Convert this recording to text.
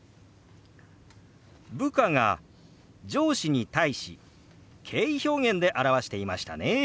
部下が上司に対し敬意表現で表していましたね。